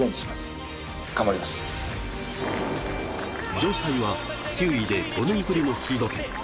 城西は９位で５年ぶりのシード権。